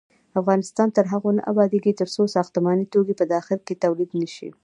افغانستان تر هغو نه ابادیږي، ترڅو ساختماني توکي په داخل کې تولید نشي.